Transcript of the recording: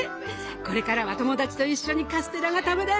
これからは友達と一緒にカステラが食べられるんだって。